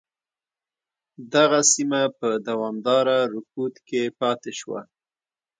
دغه سیمه په دوامداره رکود کې پاتې شوه.